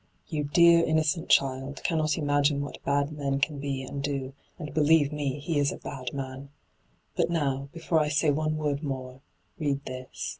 Ton, dear innocent child, cannot imagine what bad men can be and do, and, believe me, he is a bad man I But now, before I say one word more, read this.'